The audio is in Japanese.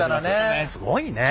すごいね。